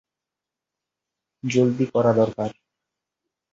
জলদি করা দরকার।